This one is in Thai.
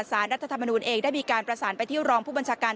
รัฐธรรมนูลเองได้มีการประสานไปที่รองผู้บัญชาการ